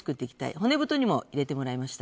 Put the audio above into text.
骨太にも入れてもらいました。